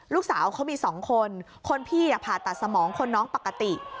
ลูกสาวเขามีสองคนคนพี่ผ่าตัดสมองคนน้องปกติ